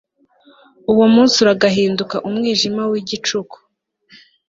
uwo munsi uragahinduka umwijima w'igicuku